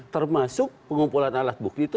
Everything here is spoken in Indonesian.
termasuk pengumpulan alat bukti itu